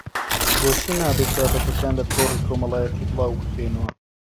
بۆچی نابێت بابەتەکان لە تۆڕی کۆمەڵایەتی بڵاوبکرێنەوە